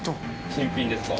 新品ですか？